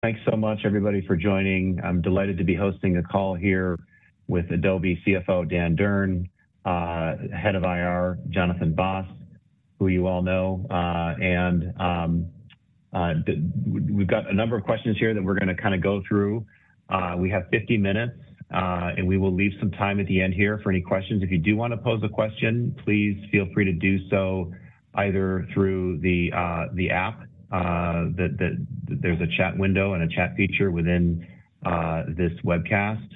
Thanks so much, everybody, for joining. I'm delighted to be hosting a call here with Adobe CFO, Dan Durn, Head of IR, Jonathan Vaas, who you all know. We've got a number of questions here that we're gonna kind of go through. We have 50 minutes, and we will leave some time at the end here for any questions. If you do want to pose a question, please feel free to do so, either through the app, there's a chat window and a chat feature within this webcast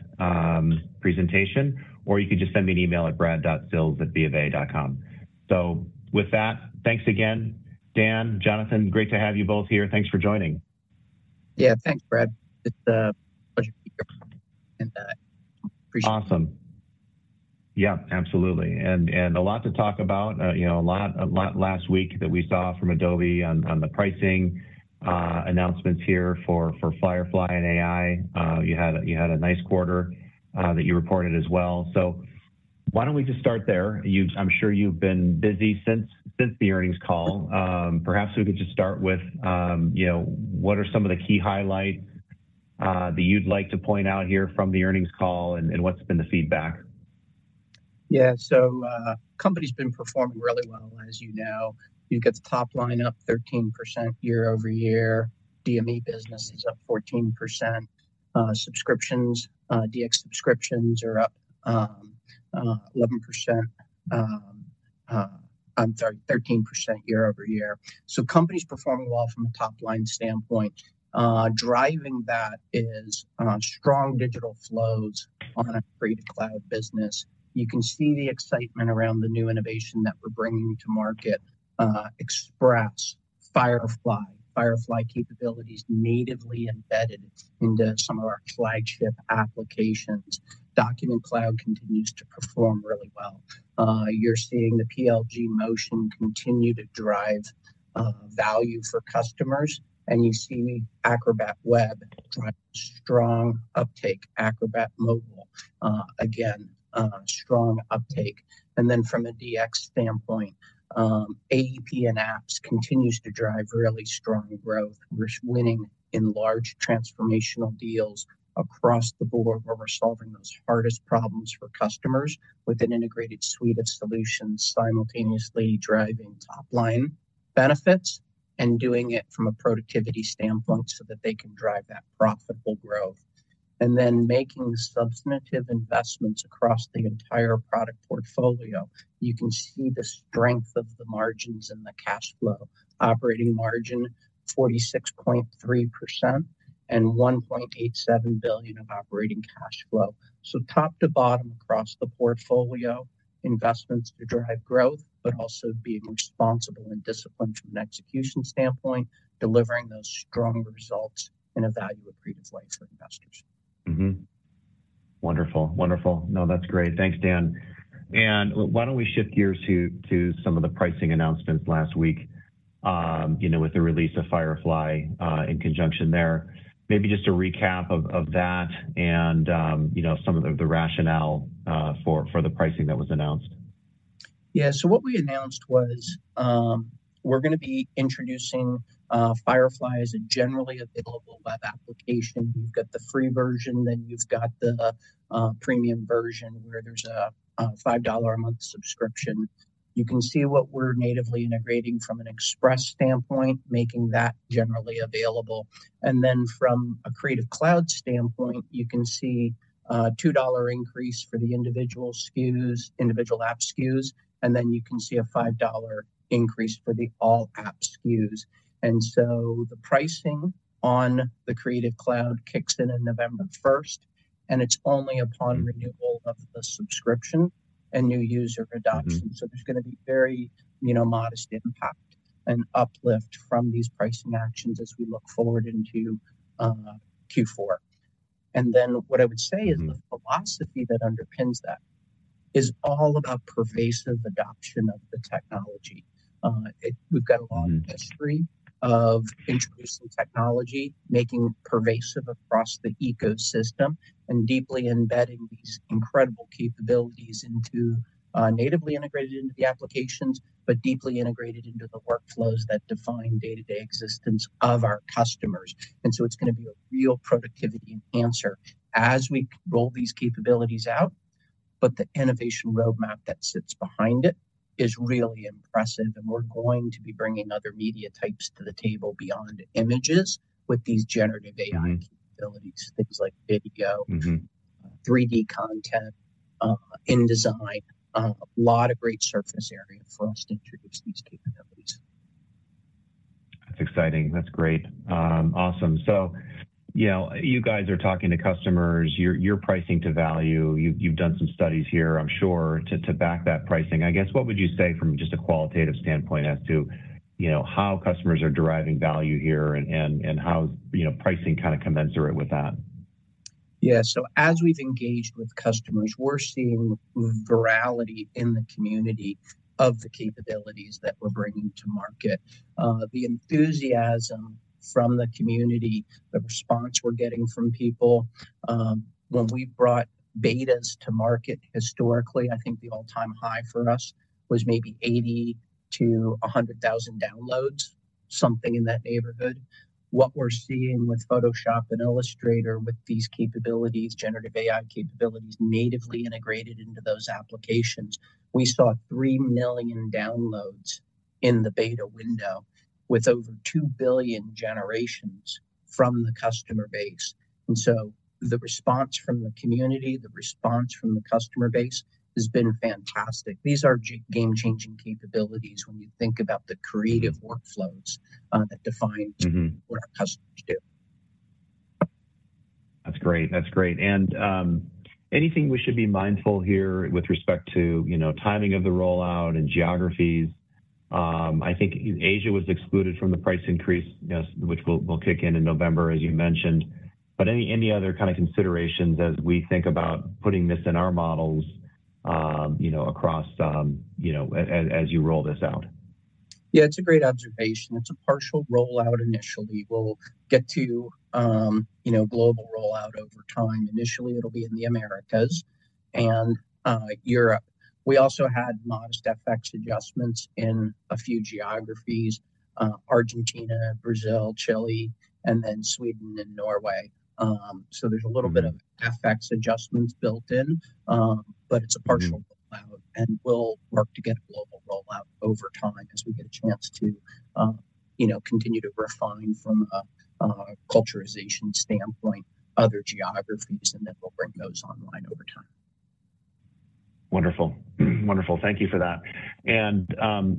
presentation, or you can just send me an email at brad.sills@bofa.com. So with that, thanks again. Dan, Jonathan, great to have you both here. Thanks for joining. Yeah, thanks, Brad. It's a pleasure to be here. Appreciate it. Awesome. Yeah, absolutely. And a lot to talk about, you know, a lot last week that we saw from Adobe on the pricing announcements here for Firefly and AI. You had a nice quarter that you reported as well. So why don't we just start there? I'm sure you've been busy since the earnings call. Perhaps we could just start with, you know, what are some of the key highlights that you'd like to point out here from the earnings call, and what's been the feedback? Yeah. So, company's been performing really well, as you know. You've got the top line up 13% year-over-year, DME business is up 14%, subscriptions, DX subscriptions are up, I'm sorry, 13% year-over-year. So company's performing well from a top-line standpoint. Driving that is, strong digital flows on a Creative Cloud business. You can see the excitement around the new innovation that we're bringing to market, Express, Firefly. Firefly capabilities natively embedded into some of our flagship applications. Document Cloud continues to perform really well. You're seeing the PLG motion continue to drive, value for customers, and you see Acrobat Web drive strong uptake. Acrobat Mobile, again, strong uptake. And then from a DX standpoint, AEP and Apps continues to drive really strong growth. We're winning in large transformational deals across the board, where we're solving the hardest problems for customers with an integrated suite of solutions, simultaneously driving top-line benefits and doing it from a productivity standpoint so that they can drive that profitable growth. And then making substantive investments across the entire product portfolio. You can see the strength of the margins and the cash flow. Operating margin, 46.3% and $1.87 billion of operating cash flow. So top to bottom across the portfolio, investments to drive growth, but also being responsible and disciplined from an execution standpoint, delivering those strong results and a value-accretive lift for investors. Mm-hmm. Wonderful. Wonderful. No, that's great. Thanks, Dan. And why don't we shift gears to some of the pricing announcements last week, you know, with the release of Firefly in conjunction there. Maybe just a recap of that and you know, some of the rationale for the pricing that was announced. Yeah. What we announced was, we're gonna be introducing Firefly as a generally available web application. You've got the free version, then you've got the premium version, where there's a $5 a month subscription. You can see what we're natively integrating from an Express standpoint, making that generally available. From a Creative Cloud standpoint, you can see a $2 increase for the individual SKUs, individual app SKUs, and you can see a $5 increase for the all-app SKUs. The pricing on the Creative Cloud kicks in on November first, and it's only upon renewal of the subscription and new user adoption. So there's gonna be very, you know, modest impact and uplift from these pricing actions as we look forward into Q4. And then what I would say is the philosophy that underpins that is all about pervasive adoption of the technology. We've got a long history of introducing technology, making pervasive across the ecosystem, and deeply embedding these incredible capabilities into, natively integrated into the applications, but deeply integrated into the workflows that define day-to-day existence of our customers. And so it's gonna be a real productivity enhancer as we roll these capabilities out, but the innovation roadmap that sits behind it is really impressive, and we're going to be bringing other media types to the table beyond images with generative AI capabilities, things like video 3D content, InDesign. A lot of great surface area for us to introduce these capabilities. That's exciting. That's great. Awesome. You know, you guys are talking to customers, you're pricing to value. You've done some studies here, I'm sure, to back that pricing. I guess, what would you say from just a qualitative standpoint as to, you know, how customers are deriving value here and how, you know, pricing kind of commensurate with that? Yeah. So as we've engaged with customers, we're seeing virality in the community of the capabilities that we're bringing to market. The enthusiasm from the community, the response we're getting from people, when we brought betas to market historically, I think the all-time high for us was maybe 80 to 100,000 downloads.... something in that neighborhood. What we're seeing with Photoshop and Illustrator, with these generative AI capabilities, natively integrated into those applications, we saw 3 million downloads in the beta window, with over 2 billion generations from the customer base. And so the response from the community, the response from the customer base, has been fantastic. These are game-changing capabilities when you think about the creative workflows, that define what our customers do. That's great. That's great. And anything we should be mindful here with respect to, you know, timing of the rollout and geographies? I think Asia was excluded from the price increase, yes, which will kick in in November, as you mentioned. But any other kind of considerations as we think about putting this in our models, you know, across, you know, as you roll this out? Yeah, it's a great observation. It's a partial rollout initially. We'll get to, you know, global rollout over time. Initially, it'll be in the Americas and, Europe. We also had modest FX adjustments in a few geographies, Argentina, Brazil, Chile, and then Sweden and Norway. So there's a little bit of FX adjustments built in, but it's a partial rollout, and we'll work to get a global rollout over time as we get a chance to, you know, continue to refine from a, culturalization standpoint, other geographies, and then we'll bring those online over time. Wonderful. Wonderful. Thank you for that. And,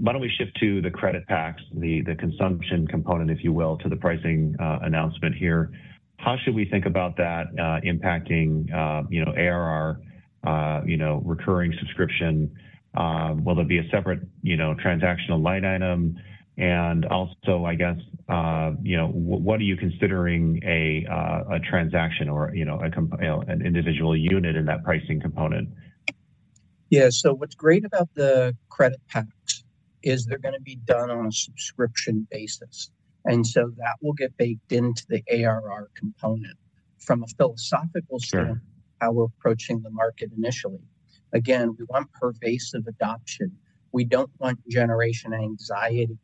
why don't we shift to the credit packs, the consumption component, if you will, to the pricing announcement here. How should we think about that impacting, you know, ARR, you know, recurring subscription? Will there be a separate, you know, transactional line item? And also, I guess, you know, what are you considering a transaction or, you know, an individual unit in that pricing component? Yeah. What's great about the credit packs is they're going to be done on a subscription basis, and that will get baked into the ARR component. From a philosophical standpoint— Sure... how we're approaching the market initially. Again, we want pervasive adoption. We don't want generation anxiety,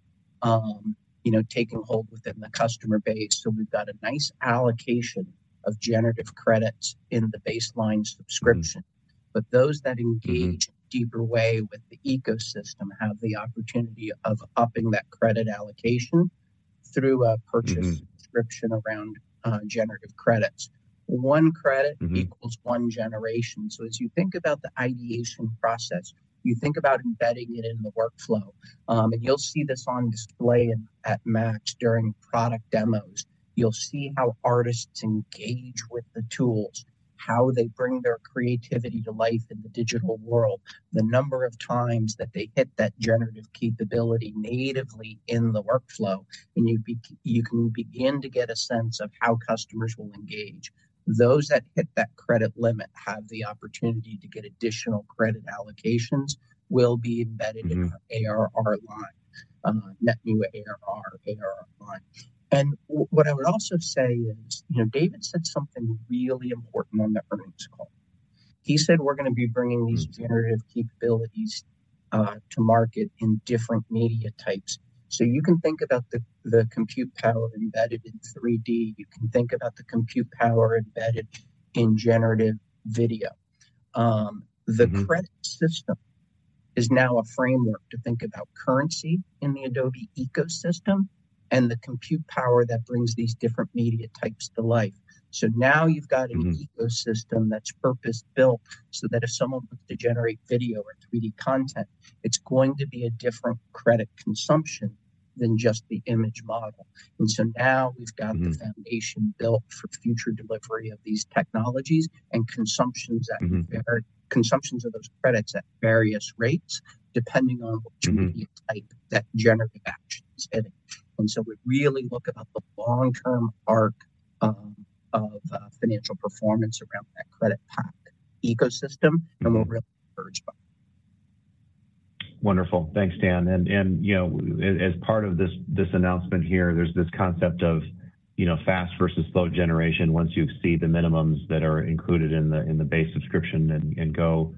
you know, taking hold within the customer base, so we've got a nice allocation of Generative Credits in the baseline subscription. Those that engage deeper way with the ecosystem have the opportunity of upping that credit allocation through a purchase subscription around, Generative Credits. One credit equals one generation. So as you think about the ideation process, you think about embedding it in the workflow. And you'll see this on display in at MAX during product demos. You'll see how artists engage with the tools, how they bring their creativity to life in the digital world, the number of times that they hit that generative capability natively in the workflow, and you can begin to get a sense of how customers will engage. Those that hit that credit limit have the opportunity to get additional credit allocations, will be embedded- in our ARR line, net new ARR, ARR line. And what I would also say is, you know, David said something really important on the earnings call. He said, "We're going to be bringing these- generative capabilities to market in different media types." So you can think about the compute power embedded in 3D. You can think about the compute power embedded in generative video. the credit system is now a framework to think about currency in the Adobe ecosystem and the compute power that brings these different media types to life. So now you've got an ecosystem that's purpose-built, so that if someone wants to generate video or 3D content, it's going to be a different credit consumption than just the image model. And so now we've got the foundation built for future delivery of these technologies and consumptions at consumptions of those credits at various rates, depending on which media type that generative action is hitting. And so we really look about the long-term arc of financial performance around that credit pack ecosystem and we're really encouraged by it. Wonderful. Thanks, Dan. You know, as part of this announcement here, there's this concept of, you know, fast versus slow generation. Once you exceed the minimums that are included in the base subscription and go,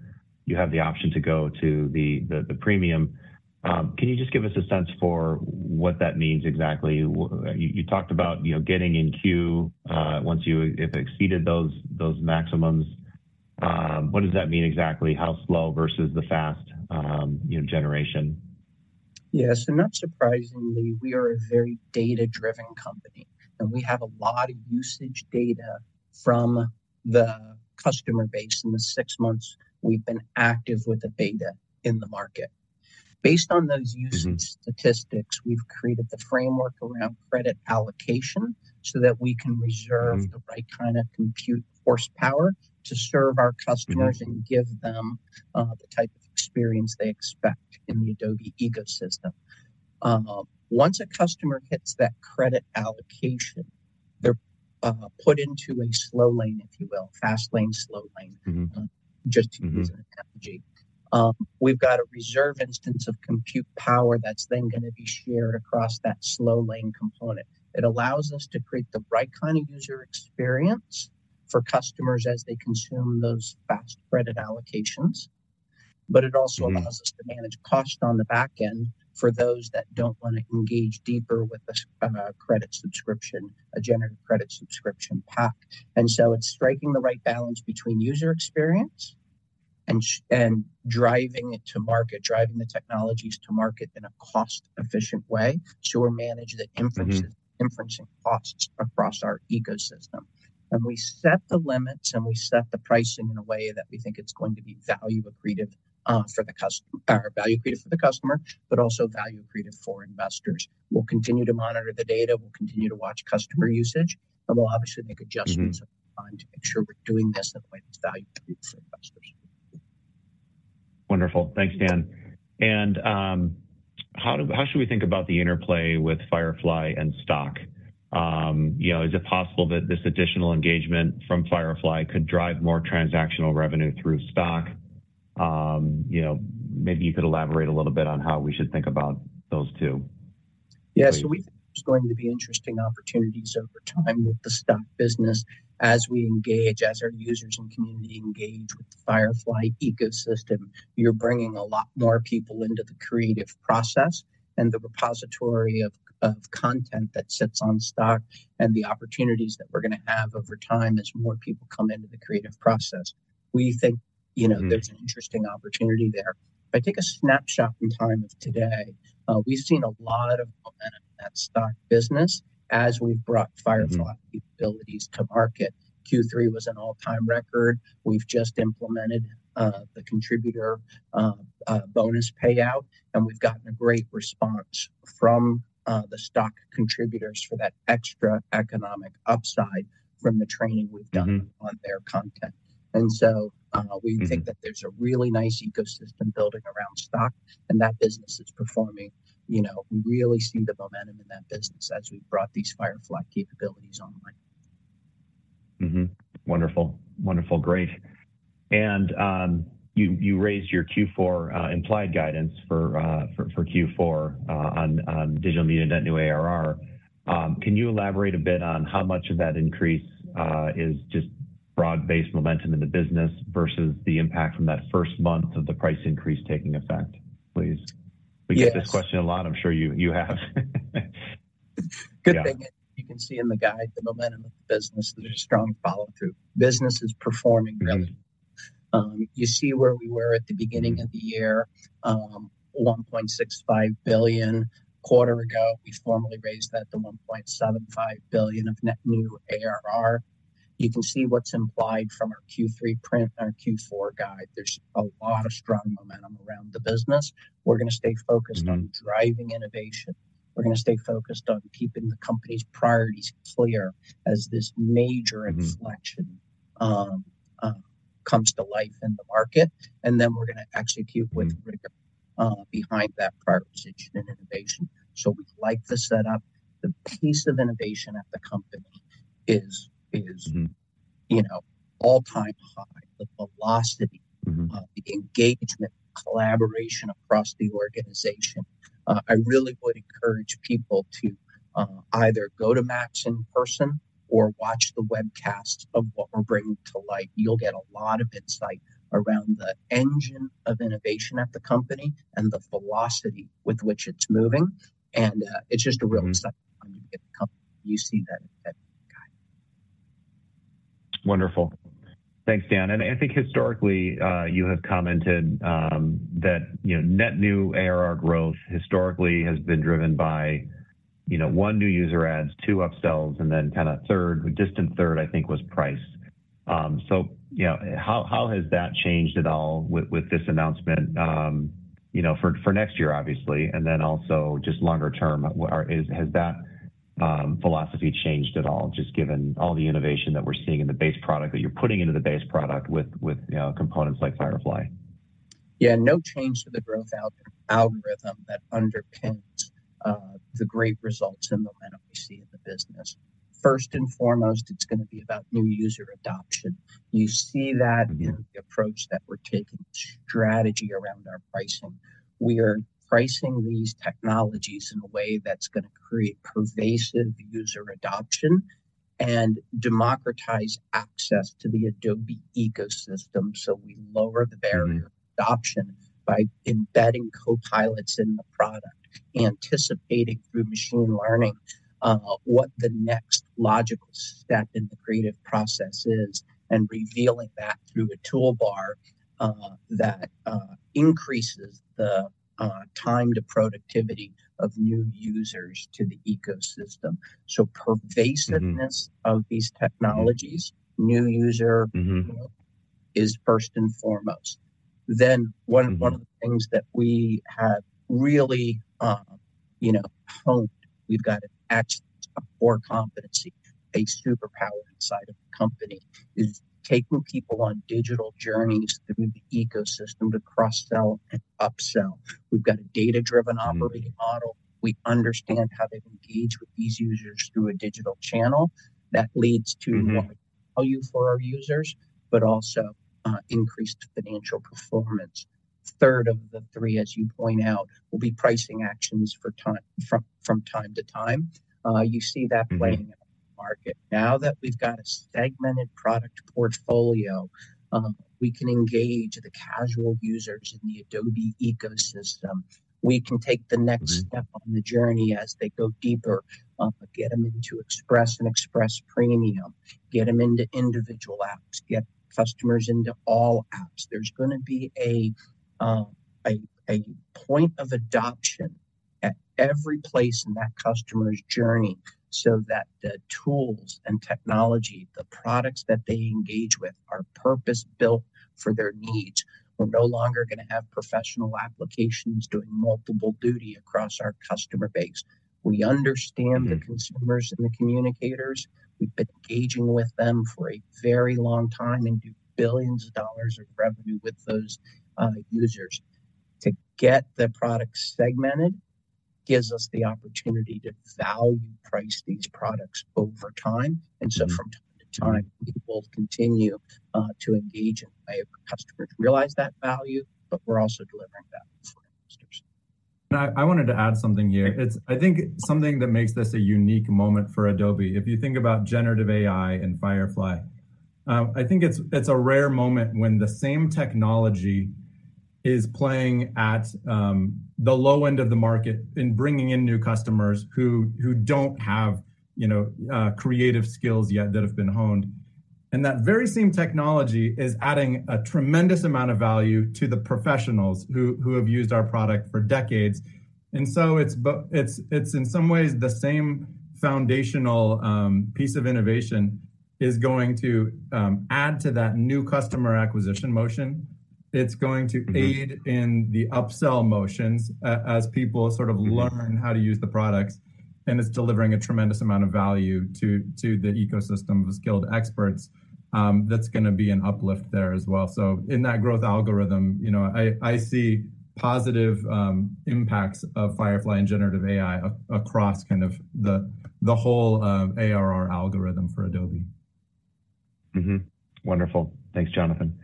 you have the option to go to the premium. Can you just give us a sense for what that means exactly? You talked about, you know, getting in queue once you if exceeded those maximums. What does that mean exactly? How slow versus the fast, you know, generation? Yes, and not surprisingly, we are a very data-driven company, and we have a lot of usage data from the customer base in the six months we've been active with the beta in the market. Based on those usage statistics, we've created the framework around credit allocation so that we can reserve- the right kind of compute horsepower to serve our customers and give them the type of experience they expect in the Adobe ecosystem. Once a customer hits that credit allocation, they're put into a slow lane, if you will. Fast lane, slow lane just to use an analogy. We've got a reserve instance of compute power that's then going to be shared across that slow lane component. It allows us to create the right kind of user experience for customers as they consume those fast credit allocations. But it also allows us to manage cost on the back end for those that don't want to engage deeper with the credit subscription, a generative credit subscription pack. And so it's striking the right balance between user experience and driving it to market, driving the technologies to market in a cost-efficient way to manage the- Inferencing, inferencing costs across our ecosystem. We set the limits, and we set the pricing in a way that we think it's going to be value accretive for the customer, or value accretive for the customer, but also value accretive for investors. We'll continue to monitor the data, we'll continue to watch customer usage, and we'll obviously make adjustments. - over time to make sure we're doing this in a way that's value accretive for investors. Wonderful. Thanks, Dan. How should we think about the interplay with Firefly and Stock? You know, is it possible that this additional engagement from Firefly could drive more transactional revenue through Stock? You know, maybe you could elaborate a little bit on how we should think about those two. Yeah. So we think there's going to be interesting opportunities over time with the Stock business as we engage, as our users and community engage with the Firefly ecosystem. You're bringing a lot more people into the creative process and the repository of, of content that sits on Stock, and the opportunities that we're going to have over time as more people come into the creative process. We think, you know there's an interesting opportunity there. If I take a snapshot in time of today, we've seen a lot of momentum in that Stock business as we've brought Firefly capabilities to market. Q3 was an all-time record. We've just implemented the contributor bonus payout, and we've gotten a great response from the Stock contributors for that extra economic upside from the training we've done on their content. And so, we think that there's a really nice ecosystem building around Stock, and that business is performing. You know, we really see the momentum in that business as we've brought these Firefly capabilities online. Mm-hmm. Wonderful. Wonderful, great. And you raised your Q4 implied guidance for Q4 on Digital Media net new ARR. Can you elaborate a bit on how much of that increase is just broad-based momentum in the business versus the impact from that first month of the price increase taking effect, please? Yes. We get this question a lot. I'm sure you have. Good thing- Yeah you can see in the guide, the momentum of the business, there's a strong follow-through. Business is performing well. You see where we were at the beginning of the year, $1.65 billion. A quarter ago, we formally raised that to $1.75 billion of net new ARR. You can see what's implied from our Q3 print and our Q4 guide. There's a lot of strong momentum around the business. We're going to stay focused- on driving innovation. We're going to stay focused on keeping the company's priorities clear as this major inflection- comes to life in the market, and then we're going to execute with rigor behind that prioritization and innovation. So we like the setup. The pace of innovation at the company is- you know, all-time high. The velocity- the engagement, collaboration across the organization. I really would encourage people to either go to MAX in person or watch the webcast of what we're bringing to light. You'll get a lot of insight around the engine of innovation at the company and the velocity with which it's moving, and it's just a real excitement in the company. You see that in the guide. Wonderful. Thanks, Dan. I think historically, you have commented that, you know, net new ARR growth historically has been driven by, you know, one, new user adds, two, upsells, and then kind of third, a distant third, I think, was price. You know, how has that changed at all with this announcement, you know, for next year, obviously, and then also just longer term? What are... Is-- Has that philosophy changed at all, just given all the innovation that we're seeing in the base product, that you're putting into the base product with, you know, components like Firefly? Yeah, no change to the growth algorithm that underpins the great results and momentum we see in the business. First and foremost, it's going to be about new user adoption. You see that- in the approach that we're taking strategy around our pricing. We are pricing these technologies in a way that's going to create pervasive user adoption and democratize access to the Adobe ecosystem. So we lower the barrier- to adoption by embedding copilots in the product, anticipating through machine learning, what the next logical step in the creative process is, and revealing that through a toolbar, that increases the time to productivity of new users to the ecosystem. So pervasiveness of these technologies, new user- is first and foremost. Then, one- one of the things that we have really, you know, honed, we've got an actual core competency, a superpower inside of the company, is taking people on digital journeys through the ecosystem to cross-sell and upsell. We've got a data-driven operating model. We understand how to engage with these users through a digital channel that leads to- value for our users, but also, increased financial performance. Third of the three, as you point out, will be pricing actions from time to time. You see that playing out-... market. Now that we've got a segmented product portfolio, we can engage the casual users in the Adobe ecosystem. We can take the next step- on the journey as they go deeper, get them into Express and Express Premium, get them into individual apps, get customers into all apps. There's gonna be a point of adoption at every place in that customer's journey so that the tools and technology, the products that they engage with, are purpose-built for their needs. We're no longer gonna have professional applications doing multiple duty across our customer base. We understand- the consumers and the communicators. We've been engaging with them for a very long time and do $ billions of revenue with those users. To get the product segmented gives us the opportunity to value price these products over time. From time to time, we will continue to engage customers, realize that value, but we're also delivering value for investors. I wanted to add something here. I think something that makes this a unique moment for Adobe. If you think generative AI and Firefly, I think it's a rare moment when the same technology is playing at the low end of the market in bringing in new customers who don't have, you know, creative skills yet that have been honed. That very same technology is adding a tremendous amount of value to the professionals who have used our product for decades. It's in some ways, the same foundational piece of innovation is going to add to that new customer acquisition motion. It's going to aid- in the upsell motions as people sort of learn how to use the products, and it's delivering a tremendous amount of value to the ecosystem of skilled experts. That's gonna be an uplift there as well. So in that growth algorithm, you know, I see positive impacts of Firefly generative AI across kind of the whole ARR algorithm for Adobe. Mm-hmm. Wonderful. Thanks, Jonathan.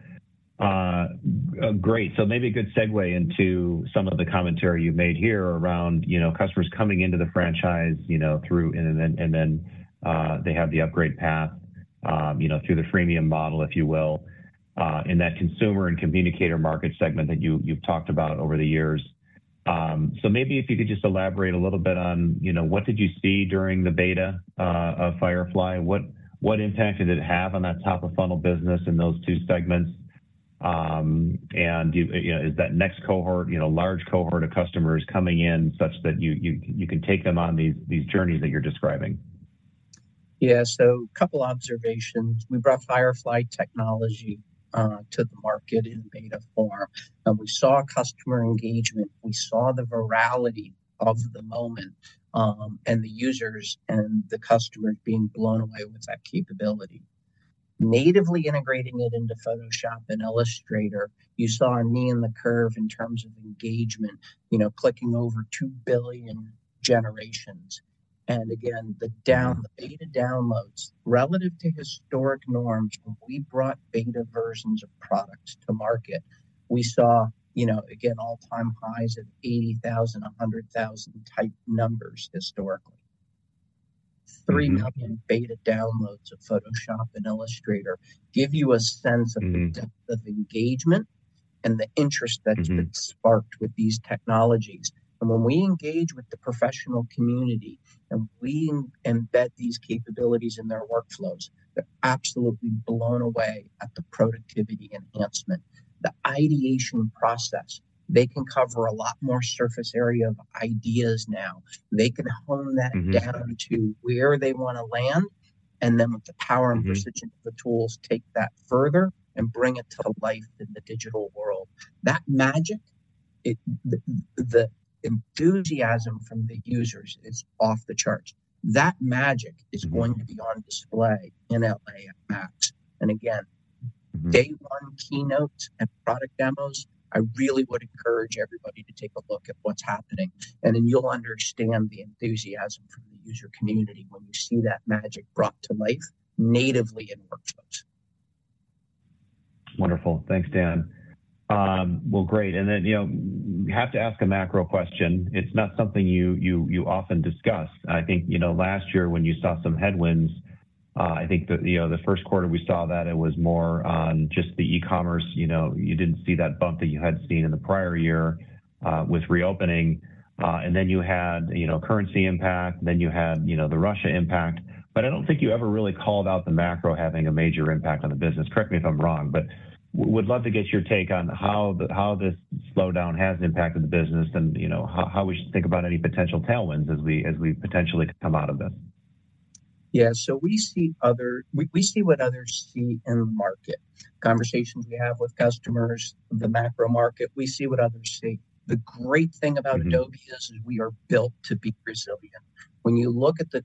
Great. Maybe a good segue into some of the commentary you've made here around, you know, customers coming into the franchise, you know, through and then, and then, they have the upgrade path, you know, through the freemium model, if you will, in that consumer and communicator market segment that you've talked about over the years. Maybe if you could just elaborate a little bit on, you know, what did you see during the beta of Firefly? What impact did it have on that top-of-funnel business in those two segments? You know, is that next cohort, you know, large cohort of customers coming in such that you, you, you can take them on these journeys that you're describing? Yeah, so a couple observations. We brought Firefly technology to the market in beta form, and we saw customer engagement. We saw the virality of the moment, and the users and the customers being blown away with that capability. Natively integrating it into Photoshop and Illustrator, you saw a knee in the curve in terms of engagement, you know, clicking over 2 billion generations. And again, the down- the beta downloads, relative to historic norms, when we brought beta versions of products to market, we saw, you know, again, all-time highs of 80,000, 100,000-type numbers historically. 3 million beta downloads of Photoshop and Illustrator give you a sense- of the depth of engagement and the interest that- has been sparked with these technologies. And when we engage with the professional community, and we embed these capabilities in their workflows, they're absolutely blown away at the productivity enhancement. The ideation process, they can cover a lot more surface area of ideas now. They can hone that down- to where they wanna land, and then with the power and precision- of the tools, take that further and bring it to life in the digital world. That magic, the enthusiasm from the users is off the charts. That magic- is going to be on display in L.A. at MAX. And again- day one keynotes and product demos, I really would encourage everybody to take a look at what's happening, and then you'll understand the enthusiasm from the user community when you see that magic brought to life natively in workflows. Wonderful. Thanks, Dan. Well, great. And then, you know, we have to ask a macro question. It's not something you often discuss. I think, you know, last year when you saw some headwinds, I think the, you know, the first quarter we saw that it was more on just the e-commerce. You know, you didn't see that bump that you had seen in the prior year, with reopening. And then you had, you know, currency impact, then you had, you know, the Russia impact, but I don't think you ever really called out the macro having a major impact on the business. Correct me if I'm wrong, but we would love to get your take on how this slowdown has impacted the business and, you know, how we should think about any potential tailwinds as we potentially come out of this. Yeah. So we see what others see in the market. Conversations we have with customers, the macro market, we see what others see. The great thing about- Adobe is we are built to be resilient. When you look at the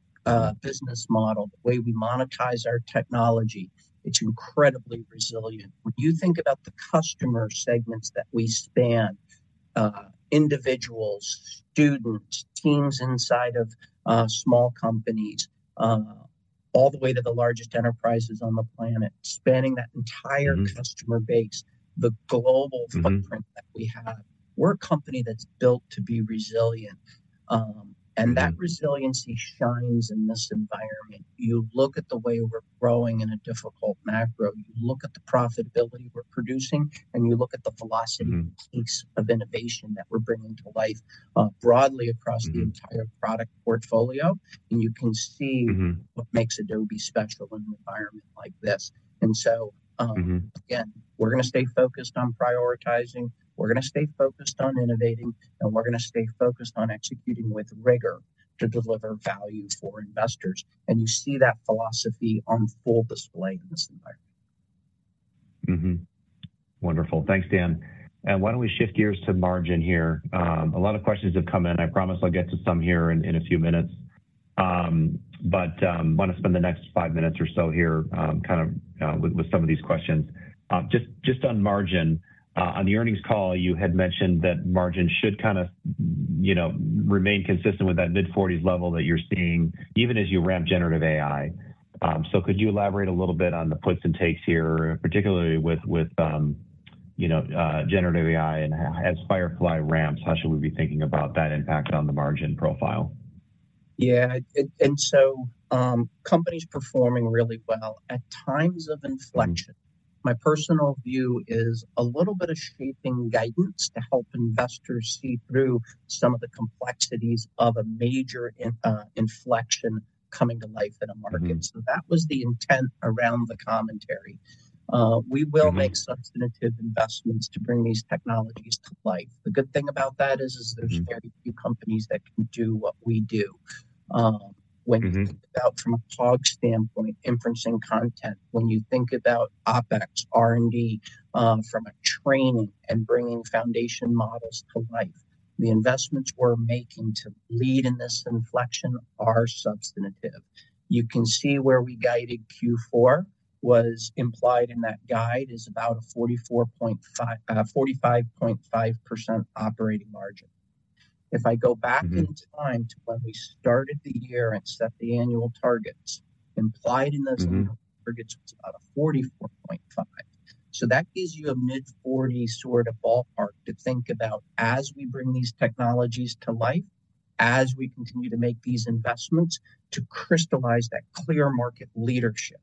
business model, the way we monetize our technology, it's incredibly resilient. When you think about the customer segments that we span, individuals, students, teams inside of small companies, all the way to the largest enterprises on the planet, spanning that entire- customer base, the global footprint- that we have. We're a company that's built to be resilient. And that resiliency shines in this environment. You look at the way we're growing in a difficult macro, you look at the profitability we're producing, and you look at the philosophy- and pace of innovation that we're bringing to life, broadly across- the entire product portfolio, and you can see- What makes Adobe special in an environment like this. And so, again, we're going to stay focused on prioritizing, we're going to stay focused on innovating, and we're going to stay focused on executing with rigor to deliver value for investors. You see that philosophy on full display in this environment. Mm-hmm. Wonderful. Thanks, Dan. Why don't we shift gears to margin here? A lot of questions have come in. I promise I'll get to some here in a few minutes. But want to spend the next 5 minutes or so here, kind of, with some of these questions. Just on margin, on the earnings call, you had mentioned that margin should kind of, you know, remain consistent with that mid-forties level that you're seeing, even as you generative AI. so could you elaborate a little bit on the puts and takes here, particularly with, you generative AI? and as Firefly ramps, how should we be thinking about that impact on the margin profile? Yeah, and so, companies performing really well at times of inflection- my personal view is a little bit of shaping guidance to help investors see through some of the complexities of a major in, inflection coming to life in a market. So that was the intent around the commentary. We will- make substantive investments to bring these technologies to life. The good thing about that is, there's very few companies that can do what we do, when you think about from a plug standpoint, inferencing content, when you think about OpEx, R&D, from a training and bringing foundation models to life, the investments we're making to lead in this inflection are substantive. You can see where we guided Q4, was implied in that guide, is about a 44.5-45.5% operating margin. If I go back- in time to when we started the year and set the annual targets, implied in those- annual targets was about a 44.5. So that gives you a mid-40 sort of ballpark to think about as we bring these technologies to life, as we continue to make these investments, to crystallize that clear market leadership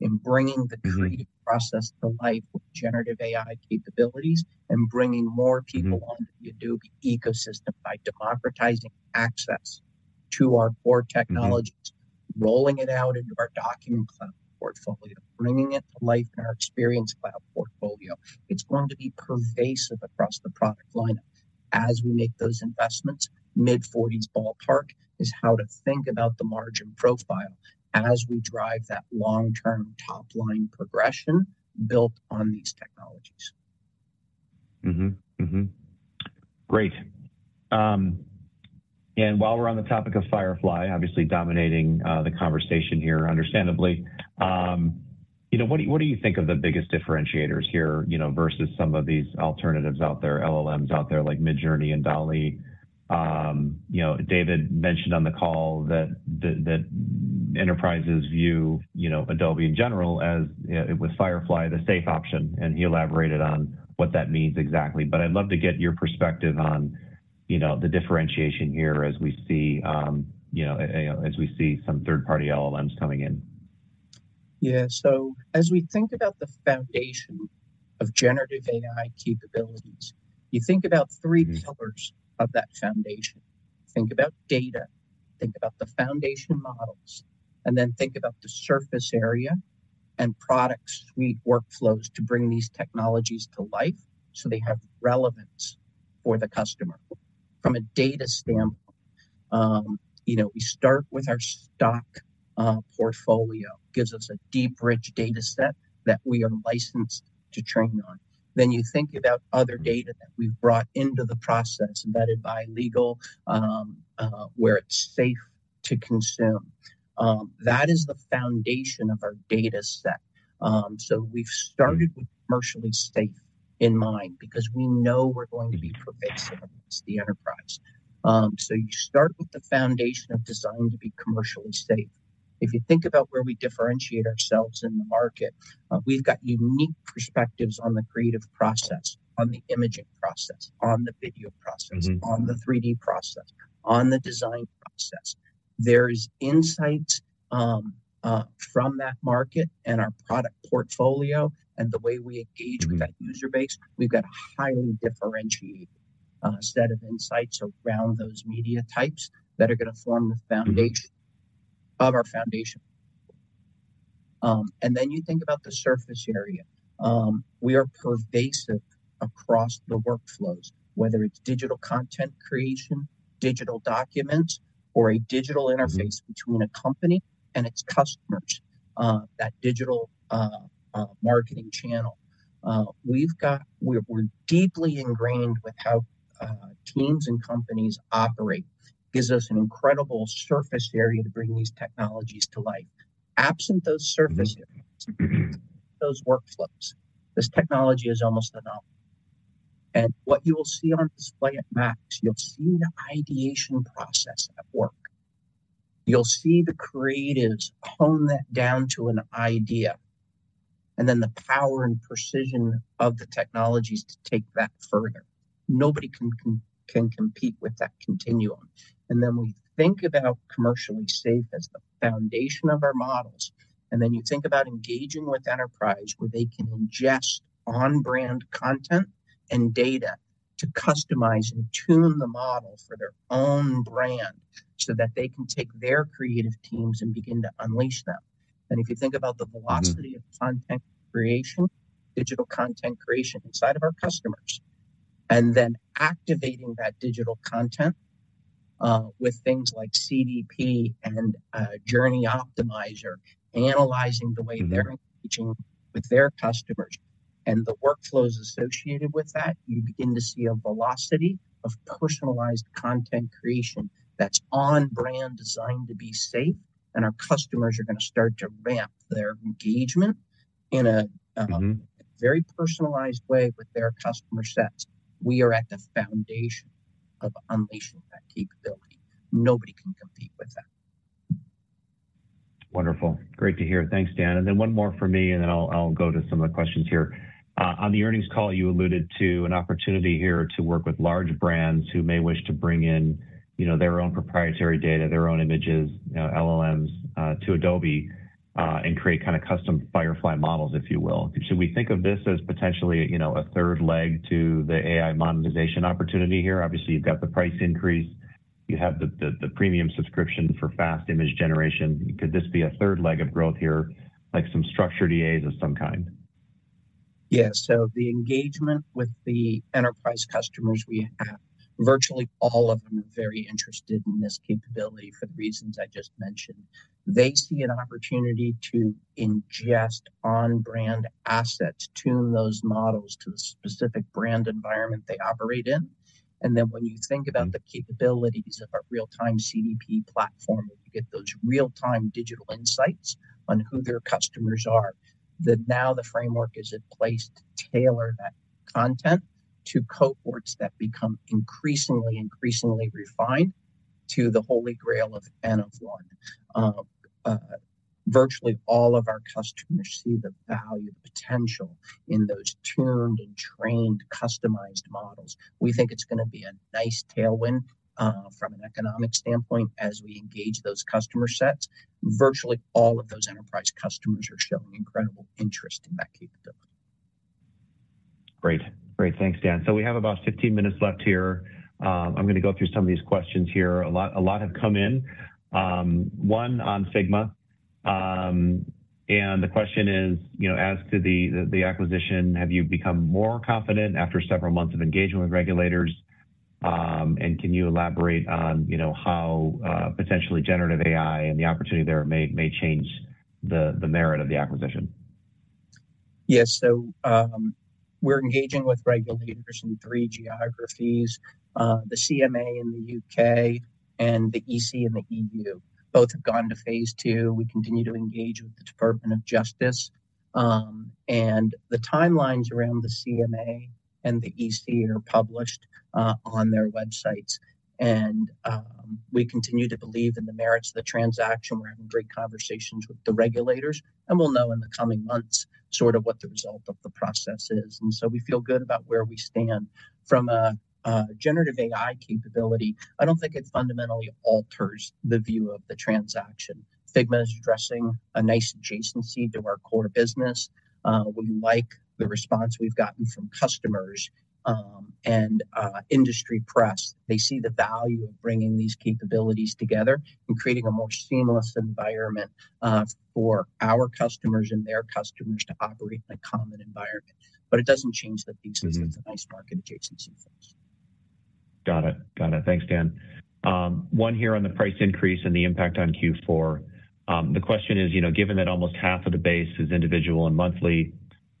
in bringing the- creative process to life generative AI capabilities and bringing more people- on the Adobe ecosystem by democratizing access to our core technologies. Rolling it out into our Document Cloud portfolio, bringing it to life in our Experience Cloud portfolio. It's going to be pervasive across the product lineup. As we make those investments, mid-40s ballpark is how to think about the margin profile as we drive that long-term top-line progression built on these technologies. Mm-hmm. Mm-hmm. Great. And while we're on the topic of Firefly, obviously dominating the conversation here, understandably, you know, what do you, what do you think are the biggest differentiators here, you know, versus some of these alternatives out there, LLMs out there, like Midjourney and DALL-E? You know, David mentioned on the call that the enterprises view, you know, Adobe in general, as, with Firefly, the safe option, and he elaborated on what that means exactly. But I'd love to get your perspective on, you know, the differentiation here as we see, you know, as we see some third-party LLMs coming in. Yeah. So as we think about the foundation generative AI capabilities, you think about three pillars- of that foundation. Think about data, think about the foundation models, and then think about the surface area and product suite workflows to bring these technologies to life so they have relevance for the customer. From a data standpoint, you know, we start with our stock portfolio. Gives us a deep, rich data set that we are licensed to train on. Then you think about other data- that we've brought into the process, vetted by legal, where it's safe to consume. That is the foundation of our data set. So we've started- with commercially safe in mind because we know we're going to be pervasive across the enterprise. So you start with the foundation of design to be commercially safe. If you think about where we differentiate ourselves in the market, we've got unique perspectives on the creative process, on the imaging process, on the video process- on the 3D process, on the design process. There's insights from that market and our product portfolio, and the way we engage- with that user base, we've got a highly differentiated set of insights around those media types that are going to form the foundation- of our foundation. And then you think about the surface area. We are pervasive across the workflows, whether it's digital content creation, digital documents, or a digital interface- between a company and its customers, that digital marketing channel. We've got. We're deeply ingrained with how teams and companies operate. Gives us an incredible surface area to bring these technologies to life. Absent those surface areas- those workflows, this technology is almost anonymous. And what you will see on display at MAX, you'll see the ideation process at work.... You'll see the creatives hone that down to an idea, and then the power and precision of the technologies to take that further. Nobody can compete with that continuum. And then we think about commercially safe as the foundation of our models. And then you think about engaging with enterprise, where they can ingest on-brand content and data to customize and tune the model for their own brand, so that they can take their creative teams and begin to unleash them. And if you think about the velocity- of content creation, digital content creation inside of our customers, and then activating that digital content, with things like CDP and, Journey Optimizer, analyzing the way- they're engaging with their customers and the workflows associated with that, you begin to see a velocity of personalized content creation that's on brand, designed to be safe, and our customers are going to start to ramp their engagement in a very personalized way with their customer sets. We are at the foundation of unleashing that capability. Nobody can compete with that. Wonderful. Great to hear. Thanks, Dan. And then one more for me, and then I'll, I'll go to some of the questions here. On the earnings call, you alluded to an opportunity here to work with large brands who may wish to bring in, you know, their own proprietary data, their own images, you know, LLMs, to Adobe, and create kind of custom Firefly models, if you will. Should we think of this as potentially, you know, a third leg to the AI monetization opportunity here? Obviously, you've got the price increase. You have the premium subscription for fast image generation. Could this be a third leg of growth here, like some structured EAs of some kind? Yeah. So the engagement with the enterprise customers we have, virtually all of them are very interested in this capability for the reasons I just mentioned. They see an opportunity to ingest on-brand assets, tune those models to the specific brand environment they operate in. And then when you think about the capabilities of our Real-Time CDP platform, you get those real-time digital insights on who their customers are. Now the framework is in place to tailor that content to cohorts that become increasingly, increasingly refined to the holy grail of N of one. Virtually all of our customers see the value, the potential in those tuned and trained, customized models. We think it's going to be a nice tailwind, from an economic standpoint, as we engage those customer sets. Virtually all of those enterprise customers are showing incredible interest in that capability. Great. Great. Thanks, Dan. We have about 15 minutes left here. I'm going to go through some of these questions here. A lot, a lot have come in. One on Figma. The question is, you know, as to the acquisition, have you become more confident after several months of engagement with regulators? Can you elaborate on, you know, how, generative AI and the opportunity there may, may change the merit of the acquisition? Yes. So, we're engaging with regulators in three geographies. The CMA in the U.K. and the EC in the EU, both have gone to phase two. We continue to engage with the Department of Justice. The timelines around the CMA and the EC are published on their websites. We continue to believe in the merits of the transaction. We're having great conversations with the regulators, and we'll know in the coming months sort of what the result of the process is. So we feel good about where we stand. From generative AI capability, I don't think it fundamentally alters the view of the transaction. Figma is addressing a nice adjacency to our core business. We like the response we've gotten from customers and industry press. They see the value of bringing these capabilities together and creating a more seamless environment, for our customers and their customers to operate in a common environment. But it doesn't change the thesis- It's a nice market adjacency for us. Got it. Got it. Thanks, Dan. One here on the price increase and the impact on Q4. The question is, you know, given that almost half of the base is individual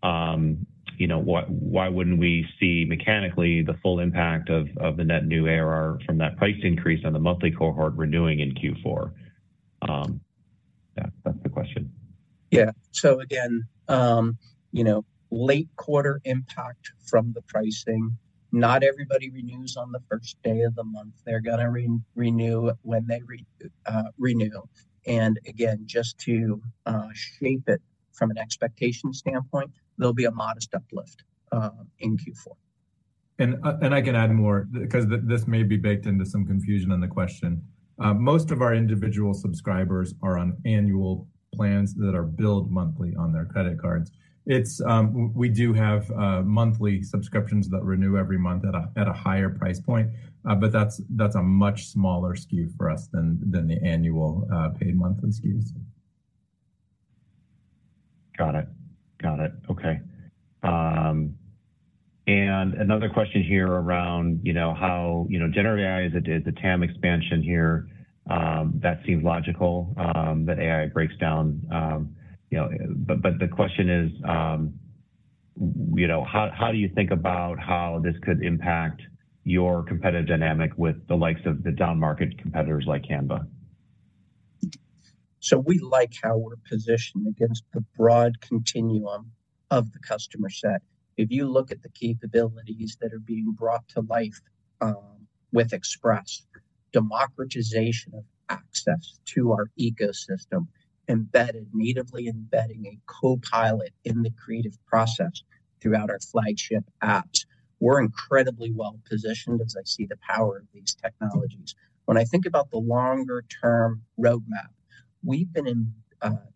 and monthly, you know, what-- why wouldn't we see mechanically the full impact of the net new ARR from that price increase on the monthly cohort renewing in Q4? Yeah, that's the question. Yeah. So again, you know, late quarter impact from the pricing, not everybody renews on the first day of the month. They're going to re-renew when they re, renew. And again, just to shape it from an expectation standpoint, there'll be a modest uplift in Q4. I can add more because this may be baked into some confusion on the question. Most of our individual subscribers are on annual plans that are billed monthly on their credit cards. It's we do have monthly subscriptions that renew every month at a higher price point, but that's a much smaller SKU for us than the annual paid monthly SKUs. Got it. Got it. Okay. And another question here around, you know, how, you generative AI is a, is a TAM expansion here. That seems logical, that AI breaks down, you know. But, but the question is, you know, how, how do you think about how this could impact your competitive dynamic with the likes of the down-market competitors like Canva? So we like how we're positioned against the broad continuum of the customer set. If you look at the capabilities that are being brought to life with Express, democratization of access to our ecosystem, embedded, natively embedding a co-pilot in the creative process throughout our flagship apps. We're incredibly well positioned as I see the power of these technologies. When I think about the longer-term roadmap, we've been in,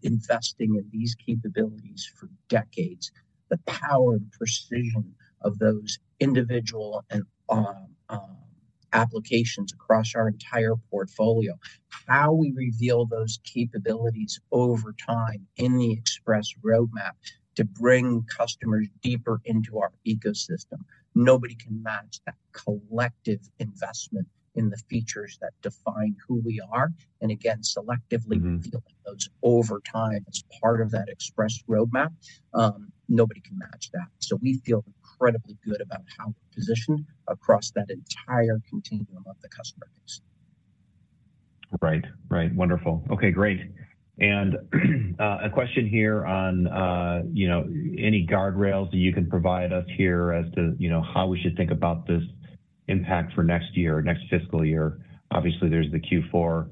investing in these capabilities for decades. The power and precision of those individual and, applications across our entire portfolio, how we reveal those capabilities over time in the Express roadmap to bring customers deeper into our ecosystem. Nobody can match that collective investment in the features that define who we are, and again, selectively- -revealing those over time as part of that Express roadmap, nobody can match that. So we feel incredibly good about how we're positioned across that entire continuum of the customer base. Right. Right. Wonderful. Okay, great. And, a question here on, you know, any guardrails that you can provide us here as to, you know, how we should think about this impact for next year or next fiscal year. Obviously, there's the Q4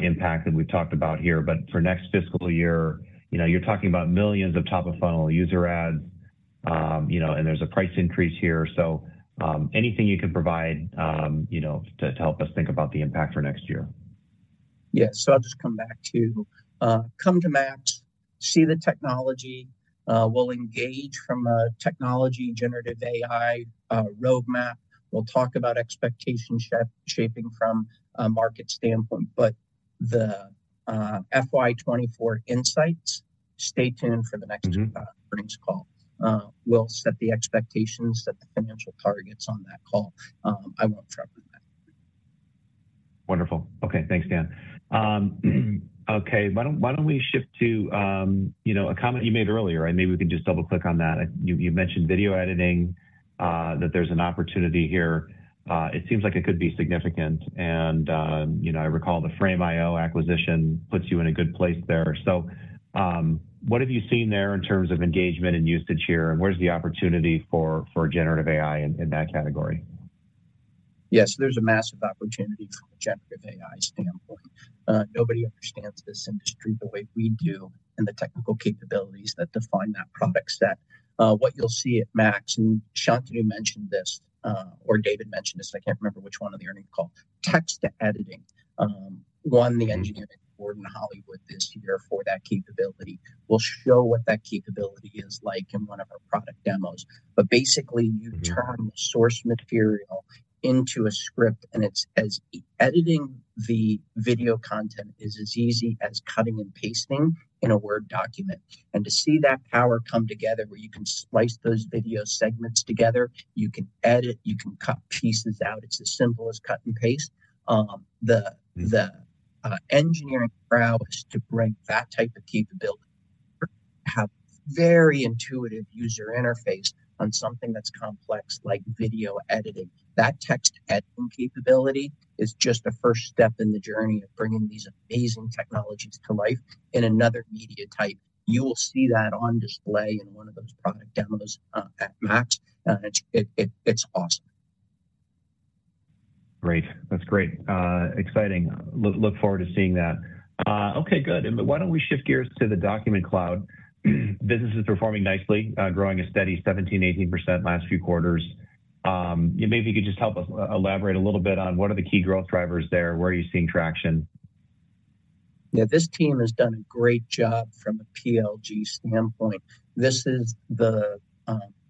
impact that we've talked about here, but for next fiscal year, you know, you're talking about millions of top-of-funnel user ads, you know, and there's a price increase here. So, anything you can provide, you know, to, to help us think about the impact for next year? Yes. So I'll just come back to, come to MAX, see the technology. We'll engage from a generative AI roadmap. We'll talk about expectation shaping from a market standpoint, but the FY 2024 insights, stay tuned for the next- earnings call. We'll set the expectations, set the financial targets on that call. I won't front-load that. Wonderful. Okay. Thanks, Dan. Okay, why don't we shift to, you know, a comment you made earlier, and maybe we can just double-click on that. You mentioned video editing that there's an opportunity here. It seems like it could be significant, and, you know, I recall the Frame.io acquisition puts you in a good place there. So, what have you seen there in terms of engagement and usage here, and where's the opportunity generative AI in that category? Yes, there's a massive opportunity from generative AI standpoint. Nobody understands this industry the way we do and the technical capabilities that define that product set. What you'll see at MAX, and Shantanu mentioned this, or David mentioned this, I can't remember which one on the earnings call, Text-Based Editing, won- -the engineering award in Hollywood this year for that capability. We'll show what that capability is like in one of our product demos. But basically- you turn the source material into a script, and it's as editing the video content is as easy as cutting and pasting in a Word document. To see that power come together, where you can splice those video segments together, you can edit, you can cut pieces out, it's as simple as cut and paste. The engineering prowess to bring that type of capability, have very intuitive user interface on something that's complex, like video editing. That text editing capability is just a first step in the journey of bringing these amazing technologies to life in another media type. You will see that on display in one of those product demos at Max. It's awesome. Great. That's great. Exciting. Look forward to seeing that. Okay, good. And why don't we shift gears to the Document Cloud? Business is performing nicely, growing a steady 17%-18% last few quarters. Maybe you could just help us elaborate a little bit on what are the key growth drivers there and where are you seeing traction. Yeah, this team has done a great job from a PLG standpoint. This is the,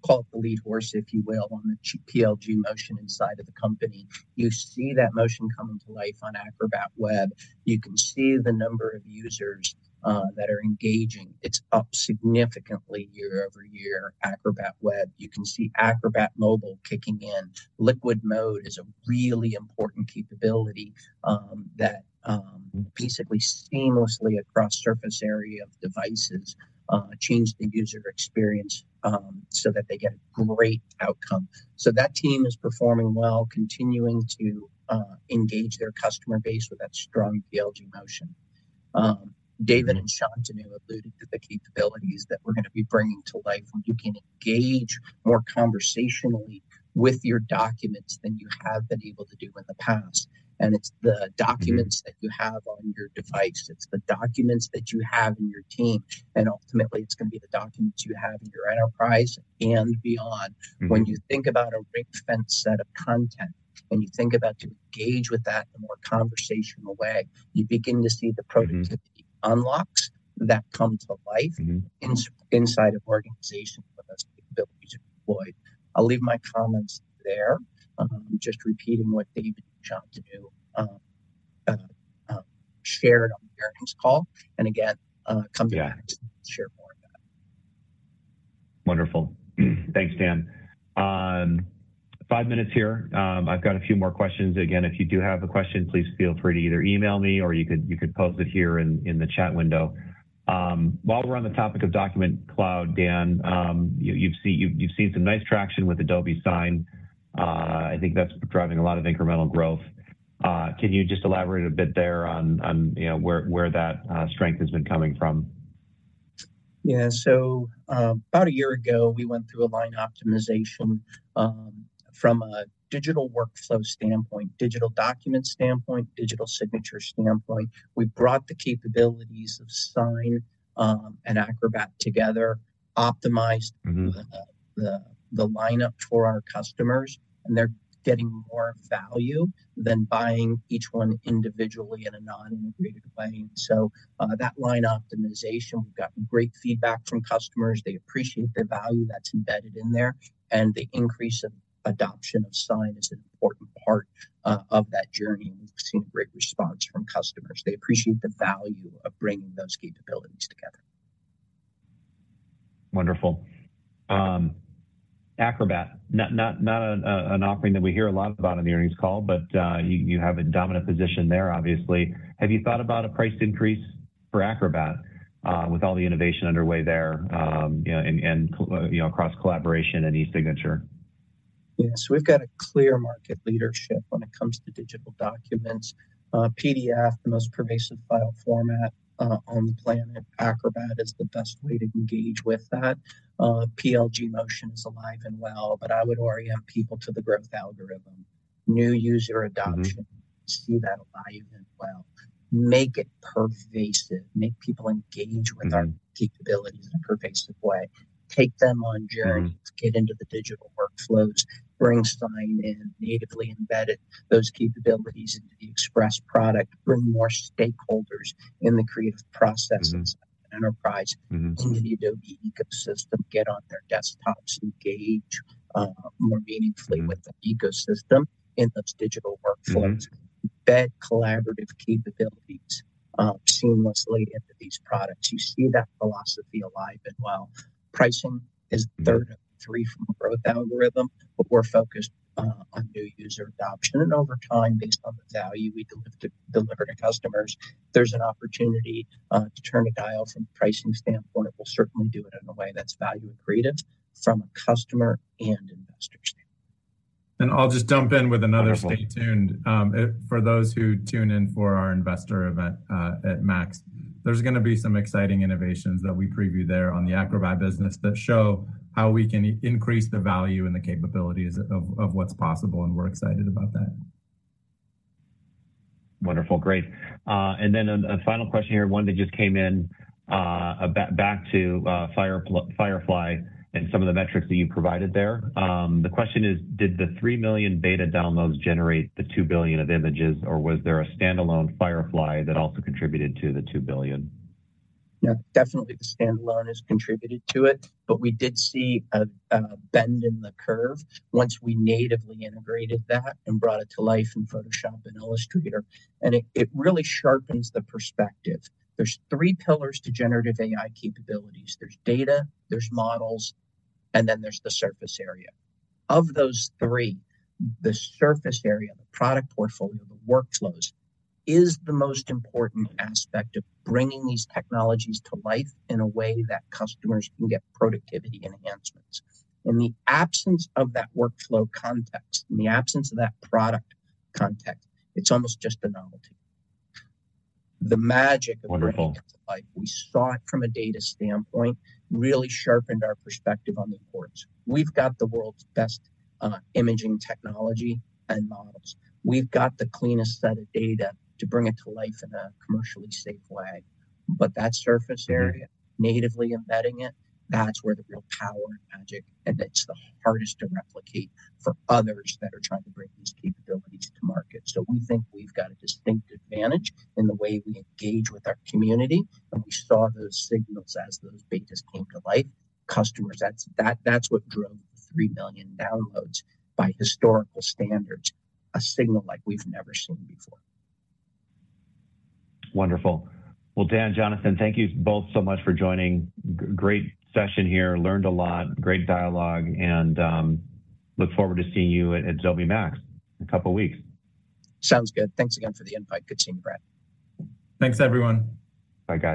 call it the lead horse, if you will, on the PLG motion inside of the company. You see that motion coming to life on Acrobat Web. You can see the number of users that are engaging. It's up significantly year-over-year, Acrobat Web. You can see Acrobat Mobile kicking in. Liquid Mode is a really important capability that basically seamlessly across surface area of devices change the user experience so that they get a great outcome. So that team is performing well, continuing to engage their customer base with that strong PLG motion. David and Shantanu alluded to the capabilities that we're gonna be bringing to life, where you can engage more conversationally with your documents than you have been able to do in the past. And it's the documents- that you have on your device, it's the documents that you have in your team, and ultimately, it's gonna be the documents you have in your enterprise and beyond. When you think about a ring-fence set of content, when you think about to engage with that in a more conversational way, you begin to see the productivity. unlocks that come to life inside of organizations with those capabilities employed. I'll leave my comments there. Just repeating what David and Shantanu shared on the earnings call. Again, come to Yeah Share more on that. Wonderful. Thanks, Dan. Five minutes here. I've got a few more questions. Again, if you do have a question, please feel free to either email me or you could post it here in the chat window. While we're on the topic of Document Cloud, Dan, you've seen some nice traction with Adobe Sign. I think that's driving a lot of incremental growth. Can you just elaborate a bit there on, you know, where that strength has been coming from? Yeah. So, about a year ago, we went through a line optimization from a digital workflow standpoint, digital document standpoint, digital signature standpoint. We brought the capabilities of Sign and Acrobat together, optimized- the lineup for our customers, and they're getting more value than buying each one individually in a non-integrated way. So, that line optimization, we've gotten great feedback from customers. They appreciate the value that's embedded in there, and the increase of adoption of Sign is an important part, of that journey. We've seen a great response from customers. They appreciate the value of bringing those capabilities together. Wonderful. Acrobat, not an offering that we hear a lot about on the earnings call, but you have a dominant position there, obviously. Have you thought about a price increase for Acrobat, with all the innovation underway there, you know, and across collaboration and eSignature? Yeah. So we've got a clear market leadership when it comes to digital documents. PDF, the most pervasive file format, on the planet, Acrobat is the best way to engage with that. PLG motion is alive and well, but I would orient people to the growth algorithm. New user adoption, see that alive and well. Make it pervasive. Make people engage- with our capabilities in a pervasive way. Take them on journeys- Get into the digital workflows. Bring Sign in, natively embedded those capabilities into the Express product. Bring more stakeholders in the creative processes enterprise. In the Adobe ecosystem, get on their desktops, engage more meaningfully- with the ecosystem in those digital workflows. Embed collaborative capabilities seamlessly into these products. You see that philosophy alive and well. Pricing is third of three from a growth algorithm, but we're focused on new user adoption. And over time, based on the value we deliver, deliver to customers, there's an opportunity to turn a dial from a pricing standpoint, and we'll certainly do it in a way that's value accretive from a customer and investor standpoint. I'll just jump in with another- Wonderful stay tuned. For those who tune in for our investor event at MAX, there's gonna be some exciting innovations that we preview there on the Acrobat business that show how we can increase the value and the capabilities of what's possible, and we're excited about that. Wonderful. Great. And then a final question here, one that just came in, back to Firefly and some of the metrics that you provided there. The question is: Did the 3 million beta downloads generate the 2 billion of images, or was there a standalone Firefly that also contributed to the 2 billion? Yeah, definitely the standalone has contributed to it, but we did see a bend in the curve once we natively integrated that and brought it to life in Photoshop and Illustrator, and it really sharpens the perspective. There's three pillars generative AI capabilities: there's data, there's models, and then there's the surface area. Of those three, the surface area, the product portfolio, the workflows, is the most important aspect of bringing these technologies to life in a way that customers can get productivity enhancements. In the absence of that workflow context, in the absence of that product context, it's almost just a novelty. The magic of- Wonderful bringing it to life, we saw it from a data standpoint, really sharpened our perspective on the importance. We've got the world's best imaging technology and models. We've got the cleanest set of data to bring it to life in a commercially safe way. But that surface area- Natively embedding it, that's where the real power and magic, and it's the hardest to replicate for others that are trying to bring these capabilities to market. So we think we've got a distinct advantage in the way we engage with our community, and we saw those signals as those betas came to life. Customers, that's what drove the 3 million downloads by historical standards, a signal like we've never seen before. Wonderful. Well, Dan, Jonathan, thank you both so much for joining. Great session here. Learned a lot, great dialogue, and look forward to seeing you at Adobe MAX in a couple weeks. Sounds good. Thanks again for the invite. Good seeing you, Brad. Thanks, everyone. Bye, guys.